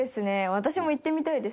私も行ってみたいです。